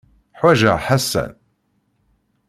Ḥwajeɣ Ḥasan.